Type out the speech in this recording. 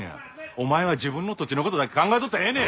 お前は自分の土地の事だけ考えとったらええねん。